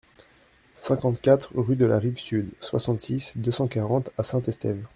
cinquante-quatre rue de la Rive Sud, soixante-six, deux cent quarante à Saint-Estève